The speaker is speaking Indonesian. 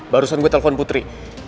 barusan gue telpon putri